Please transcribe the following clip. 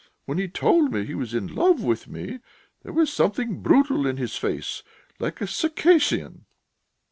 When he told me he was in love with me, there was something brutal in his face, like a Circassian."